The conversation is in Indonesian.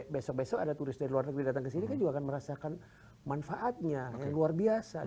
besok besok ada turis dari luar negeri datang ke sini kan juga akan merasakan manfaatnya yang luar biasa